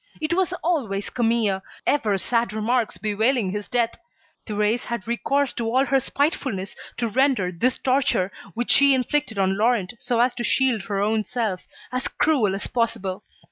It was always Camille! Ever sad remarks bewailing his death. Thérèse had recourse to all her spitefulness to render this torture, which she inflicted on Laurent so as to shield her own self, as cruel as possible.